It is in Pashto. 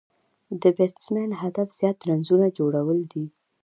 د بېټسمېن هدف زیات رنزونه جوړول دي.